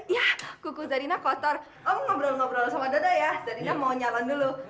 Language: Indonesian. ya kuku zerina kotor om ngobrol ngobrol sama dodo ya zerina mau nyalan dulu